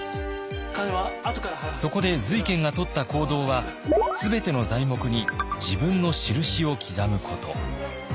そこで瑞賢がとった行動は全ての材木に自分の印を刻むこと。